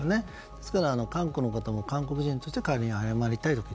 ですから、韓国の罵倒も韓国人として代わりに謝りたいと。